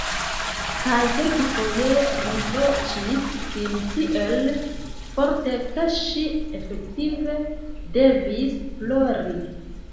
Kaj kelkfoje riproĉis sin tiel forte, ke ŝi efektive devis plori.